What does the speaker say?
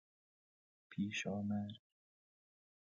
پیشامرگ